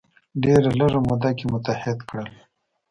ډیره لږه موده کې متحد کړل.